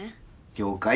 了解。